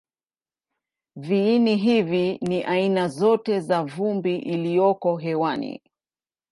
Viini hivi ni aina zote za vumbi iliyoko hewani.